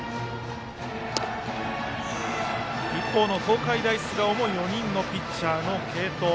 一方の東海大菅生も４人のピッチャーの継投。